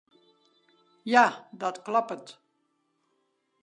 Ja, dat kloppet.